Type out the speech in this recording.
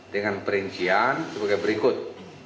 dengan perincian sebagai berikut